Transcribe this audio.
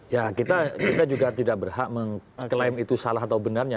ya kita juga tidak berhak mengklaim itu salah atau benarnya